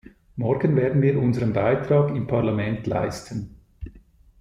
Morgen werden wir unseren Beitrag im Parlament leisten.